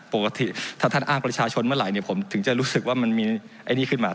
ปกติถ้าท่านอ้างประชาชนเมื่อไหร่เนี่ยผมถึงจะรู้สึกว่ามันมีไอ้นี่ขึ้นมา